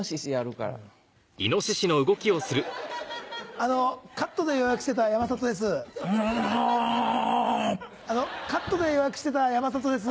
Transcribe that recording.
あのカットで予約してた山里です。